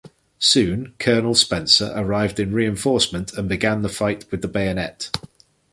Soon Colonel Spencer arrived in reinforcement and began the fight with the bayonet.